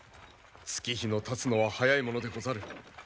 月日のたつのは早いものでござる。